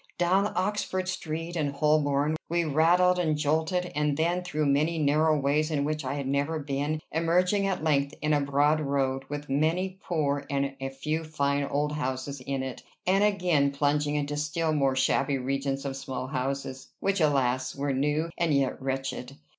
Down Oxford Street and Holborn we rattled and jolted, and then through many narrow ways in which I had never been, emerging at length in a broad road, with many poor and a few fine old houses in it; then again plunging into still more shabby regions of small houses, which, alas! were new, and yet wretched!